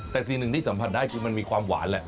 แต่ซีนหนึ่งที่สัมพันธ์ได้คือมันมีความหวาน